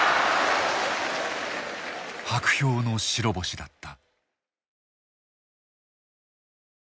薄氷の白星だった。